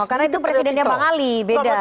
karena itu presidennya bang ali beda